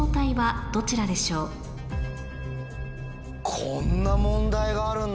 こんな問題があるんだ。